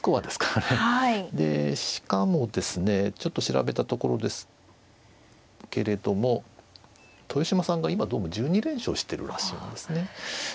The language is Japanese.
でしかもですねちょっと調べたところですけれども豊島さんが今どうも１２連勝してるらしいんですね。